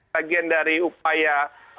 bagian dari upaya